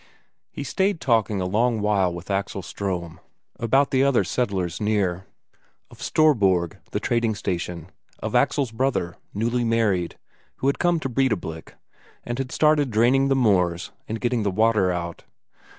He stayed talking a long while with Axel Ström about the other settlers near; of Storborg, the trading station; of Axel's brother, newly married, who had come to Breidablik, and had started draining the moors and getting the water out.